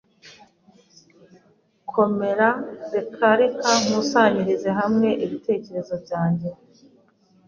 Komera. Reka reka nkusanyirize hamwe ibitekerezo byanjye.